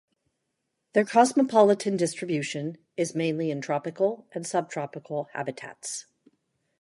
Their cosmopolitan distribution is mainly in tropical and subtropical habitats.